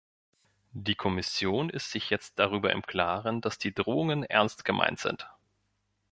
Die Kommission ist sich jetzt darüber im Klaren, dass die Drohungen ernst gemeint sind.